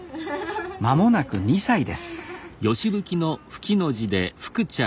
まもなく２歳です